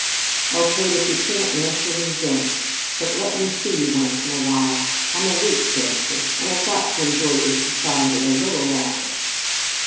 Oh, Kate, if you can't answer me, don't, but let me see you once in a while. I'm a weak character, and I've got to enjoy your society a little longer."